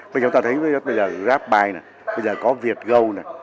bây giờ grabbuy có việtgo